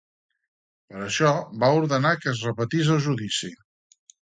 Per això, va ordenar que es repetís el judici.